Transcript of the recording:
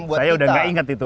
waduh saya udah nggak ingat itu